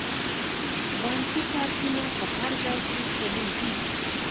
بانکي کارتونه په هر ځای کې چلیږي.